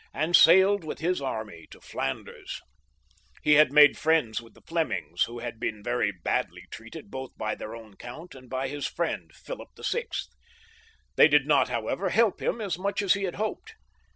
and saHed with his army to Flanders, He had made friends with the Flemings, who had been very badly treated both by their own count and by his friend, Philip VI. They did not, however, help him as much as he had hoped.